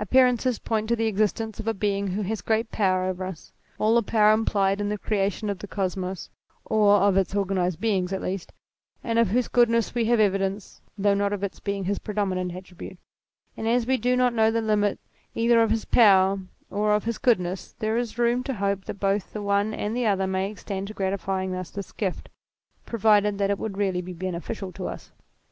Appearances point to the existence of a Being who has great power over us all the power implied in the creation of the Kosmos, or of its organized beings at least and of whose goodness we have evidence though not of its being his predominant attribute : and as we do not know the limits either of his power or of his goodness, there is room to hope that both the one and the other may extend to granting us this gift provided that it would really be beneficial to us.